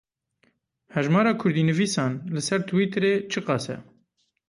Hejmara kurdînivîsan li ser Twitterê çi qas e?